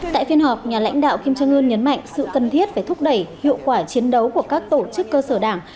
tại phiên họp nhà lãnh đạo kim trương ưn nhấn mạnh sự cần thiết về thúc đẩy hiệu quả chiến đấu của các tổ chức cơ sở đảng